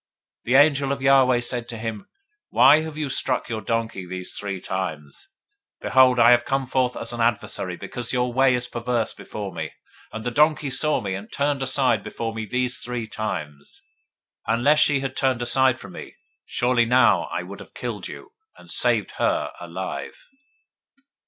022:032 The angel of Yahweh said to him, Why have you struck your donkey these three times? behold, I am come forth for an adversary, because your way is perverse before me: 022:033 and the donkey saw me, and turned aside before me these three times: unless she had turned aside from me, surely now I had even slain you, and saved her alive.